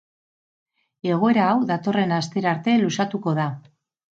Egoera hau datorren astera arte luzatuko da.